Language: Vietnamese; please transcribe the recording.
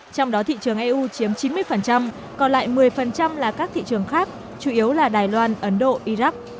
trong đó thị trường eu chiếm chín mươi còn lại một mươi là các thị trường khác chủ yếu là đài loan ấn độ iraq